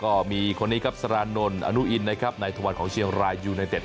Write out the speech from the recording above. ก็มีคนนี้ครับสารานนท์อนุอินนะครับนายธวรรณของเชียงรายยูไนเต็ด